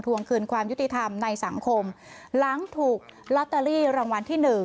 วงคืนความยุติธรรมในสังคมหลังถูกลอตเตอรี่รางวัลที่๑